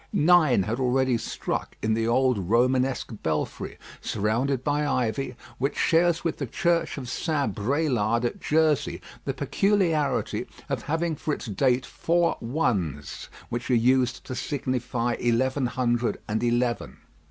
Nine had already struck in the old Romanesque belfry, surrounded by ivy, which shares with the church of St. Brélade at Jersey the peculiarity of having for its date four ones (IIII), which are used to signify eleven hundred and eleven.